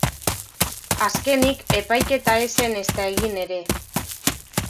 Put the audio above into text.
Azkenik, epaiketa ez zen ezta egin ere.